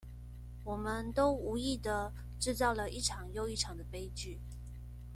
我們都無意的製造了一場又一場的悲劇